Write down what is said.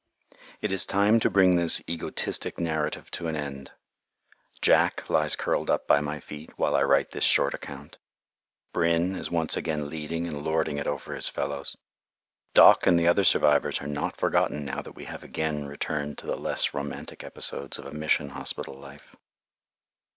It is time to bring this egotistic narrative to an end. "Jack" lies curled up by my feet while I write this short account. "Brin" is once again leading and lording it over his fellows. "Doc" and the other survivors are not forgotten, now that we have again returned to the less romantic episodes of a mission hospital life.